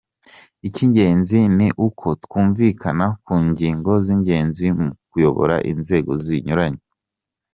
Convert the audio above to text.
Icy’ingenzi ni uko twumvikana ku ngingo z’ingenzi mu kuyobora inzego zinyuranye.